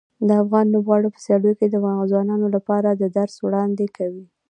د افغان لوبغاړو په سیالیو کې د ځوانانو لپاره د درس وړاندې کوي.